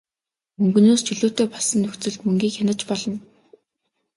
Мөнгөнөөс чөлөөтэй болсон нөхцөлд мөнгийг хянаж болно.